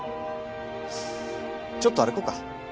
ちょっと歩こうか。